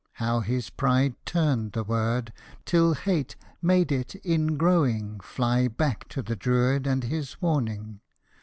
how his pride turned the word, till Hate made it, in growing. Fly back to the Druid and his warning.